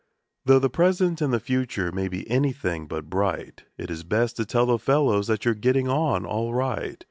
Though the present and the future may be anything but bright. It is best to tell the fellows that you're getting on all right.